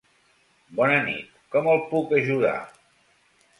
Bona nit, com el puc ajudar?